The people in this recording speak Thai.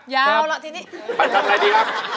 ยาวเหรอค่ะทีนี้ไปทำอะไรหรือครับ